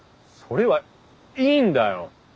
それはいいんだよ。